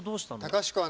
隆子はね